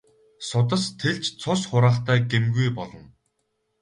Судас тэлж цус хураахдаа гэмгүй болно.